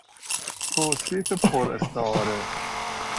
توصیف پر استعاره